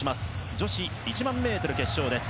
女子１００００ｍ決勝です。